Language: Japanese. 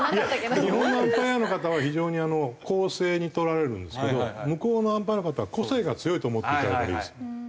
日本のアンパイアの方は非常に公正に取られるんですけど向こうのアンパイアの方は個性が強いと思っていただいたほうがいいです。